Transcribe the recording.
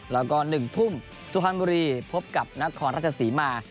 แล้วก็๑ทุ่มสุพรรณบุรีพบกับนครราชศรีมา